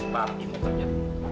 pak ini kerja